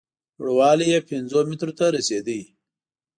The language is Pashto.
لوړوالی یې پینځو مترو ته رسېده.